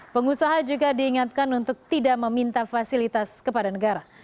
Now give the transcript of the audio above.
pengusaha juga diingatkan untuk tidak meminta fasilitas kepada negara